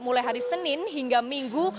mulai hari senin hingga minggu